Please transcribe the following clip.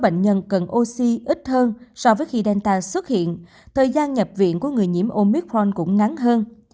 bệnh nhân cần oxy ít hơn so với khi delta xuất hiện thời gian nhập viện của người nhiễm omicron cũng ngắn hơn